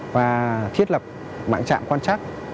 và thiết lập mạng trạm quan trắc